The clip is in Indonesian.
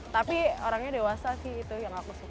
tapi orangnya dewasa sih itu yang aku suka